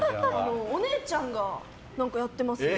お姉ちゃんがやってますね。